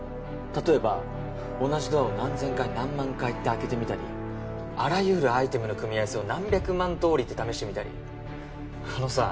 例えば同じドアを何千回何万回って開けてみたりあらゆるアイテムの組み合わせを何百万通りって試してみたりあのさ